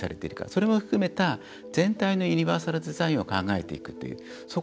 それも含めた全体のユニバーサルデザインを考えていくという。